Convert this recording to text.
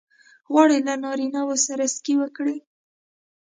غواړې له نارینه وو سره سکی وکړې؟